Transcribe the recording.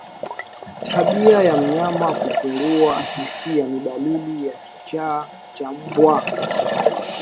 Tabia ya mnyama kupungua hisia ni dalili ya kichaa cha mbwa